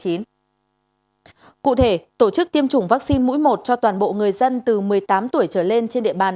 cụ thể tổ chức tiêm chủng vaccine mũi một cho toàn bộ người dân từ một mươi tám tuổi trở lên trên địa bàn